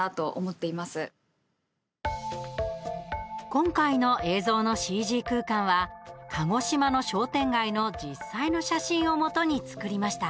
今回の映像のＣＧ空間は鹿児島の商店街の実際の写真をもとに作りました。